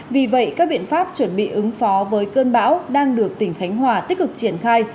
vì vậy các biện pháp chuẩn bị ứng phó với cơn bão đang được tỉnh khánh hòa tích cực triển khai